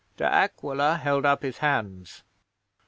De Aquila held up his hands.